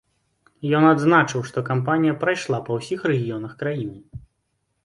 Ён адзначыў, што кампанія прайшла па ўсіх рэгіёнах краіны.